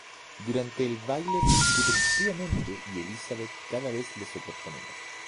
Durante el baile discuten fríamente y Elizabeth cada vez le soporta menos.